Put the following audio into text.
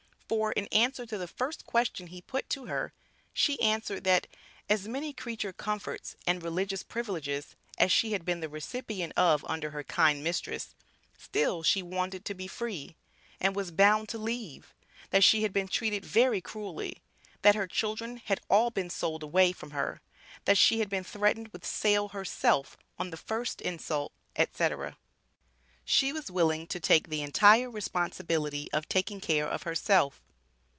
For, in answer to the first question he put to her, she answered, that, "As many creature comforts and religious privileges as she had been the recipient of under her 'kind mistress,' still she 'wanted to be free,' and 'was bound to leave,' that she had been 'treated very cruelly,' that her children had 'all been sold away' from her; that she had been threatened with sale herself 'on the first insult,'" etc. She was willing to take the entire responsibility of taking care of herself.